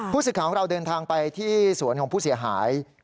สิทธิ์ของเราเดินทางไปที่สวนของผู้เสียหาย